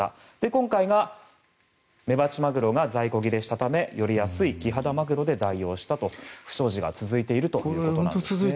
今回がメバチマグロが在庫切れしたためより安いキハダマグロで代用したと不祥事が続いているということなんですね。